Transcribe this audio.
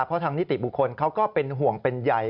เพราะทางนิติบุคคลเขาก็เป็นห่วงเป็นใย